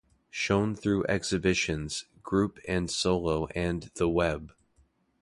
Shown through exhibitions, group and solo and the web.